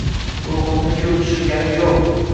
Ruhimni-ku tushirganim yo`q